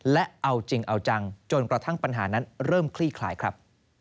และเอาจริงเอาจังจนกระทั่งปัญหานั้นเริ่มคลี่คลายครับ